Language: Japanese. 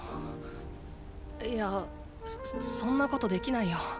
いやそんなことできないよ。